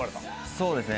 そうですね。